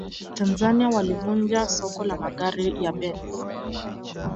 tanzania walivunja soko la magari ya benz